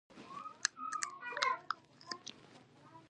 سیلابونه د افغانستان د ټولنې لپاره یو بنسټیز رول لري.